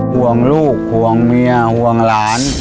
ห่วงลูกห่วงเมียห่วงหลาน